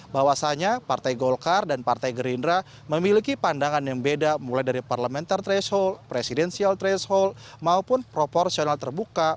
bahwasannya partai golkar dan partai gerindra memiliki pandangan yang beda mulai dari parlementer